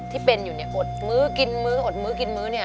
ที่เป็นอยู่อดมืออดมือกินมือ